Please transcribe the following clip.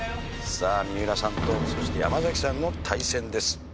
さあ三浦さんとそして山崎さんの対戦です。